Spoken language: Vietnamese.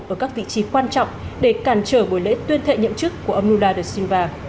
ở các vị trí quan trọng để cản trở buổi lễ tuyên thệ nhậm chức của ông lula da silva